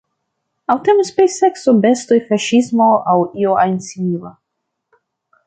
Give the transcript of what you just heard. Aŭ temas pri sekso, bestoj, faŝismo aŭ io ajn simila.